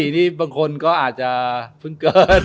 ๑๙๙๔ในบางคนก็อาจจะพึ่งเกิด